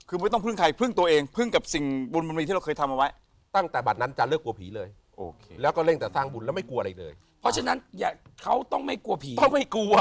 คือไม่ต้องพึ่งใครพึ่งตัวเองพึ่งกับสิ่งบุญมันมีที่เราเคยทำเอาไว้ตั้งแต่บัตรนั้นจะเลิกกลัวผีเลยโอเคแล้วก็เร่งแต่สร้างบุญแล้วไม่กลัวอะไรเลยเพราะฉะนั้นเขาต้องไม่กลัวผีเขาไม่กลัว